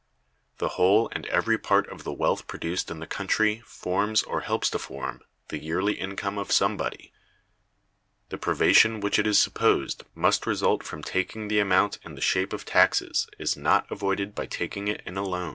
The whole and every part of the wealth produced in the country forms, or helps to form, the yearly income of somebody. The privation which it is supposed must result from taking the amount in the shape of taxes is not avoided by taking it in a loan.